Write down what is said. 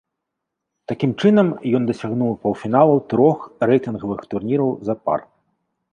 Такім чынам, ён дасягнуў паўфіналаў трох рэйтынгавых турніраў запар.